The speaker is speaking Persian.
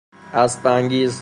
اسب انگیز